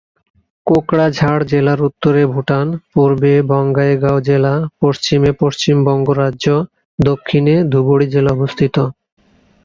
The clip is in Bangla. কোকড়াঝাড় জেলার উত্তরে ভুটান, পূর্বে বঙাইগাঁও জেলা, পশ্চিমে পশ্চিমবঙ্গ রাজ্য, দক্ষিণে ধুবড়ী জেলা অবস্থিত।